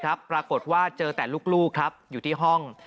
ปรากฏว่าเจอแต่ลูกครับอยู่ที่ห้อง